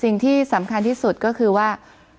สิ่งที่สำคัญที่สุดก็คือว่า